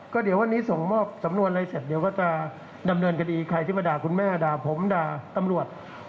ก็เดี๋ยววันนี้ส่งมอบสำนวนอะไรเสร็จเดี๋ยวก็จะดำเนินคดีใครที่มาด่าคุณแม่ด่าผมด่าตำรวจ